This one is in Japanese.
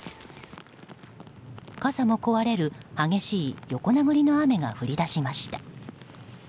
傘も壊れる激しい横殴りの雨が降り出しました。